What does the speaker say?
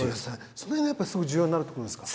その辺がやっぱりすごい重要になるところですか？